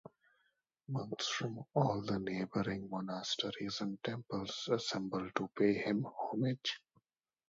Monks from all the neighboring monasteries and temples assemble to pay him homage.